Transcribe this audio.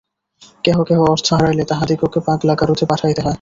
কেহ কেহ অর্থ হারাইলে তাহাদিগকে পাগলা-গারদে পাঠাইতে হয়।